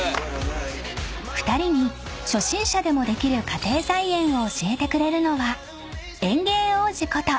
［２人に初心者でもできる家庭菜園を教えてくれるのは］